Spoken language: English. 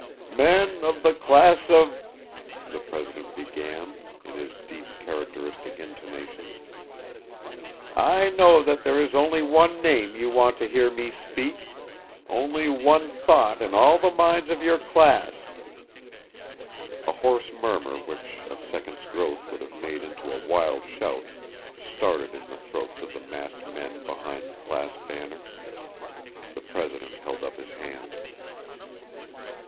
"Men of the class of ," the president began, in his deep, characteristic intonations, "I know that there is only one name you want to hear me speak; only one thought in all the minds of your class." A hoarse murmur which a second's growth would have made into a wild shout started in the throats of the massed men behind the class banner. The president held up his hand.